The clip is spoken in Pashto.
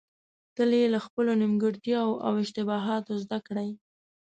تل يې له خپلو نيمګړتياوو او اشتباهاتو زده کړئ.